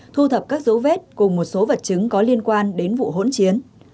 thu thập các dấu vết cùng một số vật chứng có liên quan đến vụ hỗn chiến